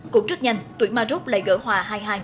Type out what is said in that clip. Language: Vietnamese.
cũng rất nhanh tuyển maroc lại gỡ hòa hai hai